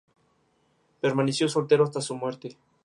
Permaneció soltero hasta su muerte.